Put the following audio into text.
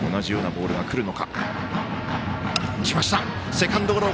セカンドゴロ。